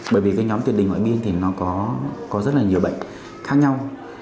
bởi vì cái nhóm tuyệt đình ngoại biên thì nó có rất là nhiều bệnh khác nhau